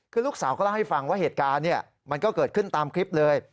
คือลูกสาวก็เล่าให้ฟังว่าเหตุการณ์มันก็เกิดขึ้นตามคลิปเลย